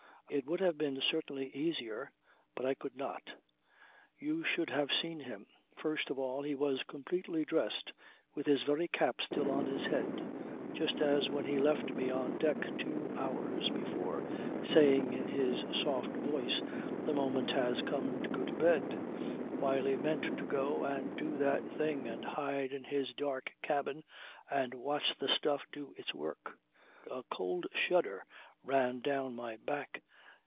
It would have been certainly easier. But I could not. You should have seen him. First of all he was completely dressed with his very cap still on his head just as when he left me on deck two hours before, saying in his soft voice: "The moment has come to go to bed" while he meant to go and do that thing and hide in his dark cabin, and watch the stuff do its work. A cold shudder ran down my back.